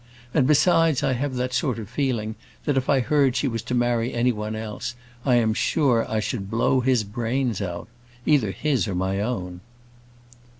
And besides, I have that sort of feeling, that if I heard she was to marry any one else, I am sure I should blow his brains out. Either his or my own."